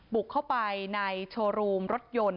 บุกเข้าไปในโชว์รูมรถยนต์